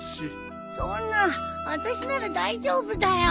そんなあたしなら大丈夫だよ。